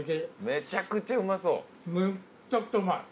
めっちゃくちゃうまい。